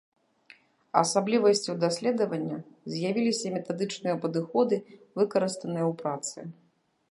Асаблівасцю даследавання з'явіліся метадычныя падыходы, выкарыстаныя ў працы.